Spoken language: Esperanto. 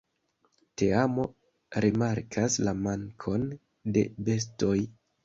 Teamo rimarkas la mankon de bestoj.